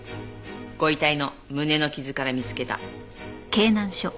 ご遺体の胸の傷から見つけた。